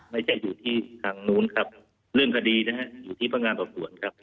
ไม่ใช่อยู่ที่ทางนู้นครับเรื่องคดีนะฮะอยู่ที่พนักงานสอบสวนครับ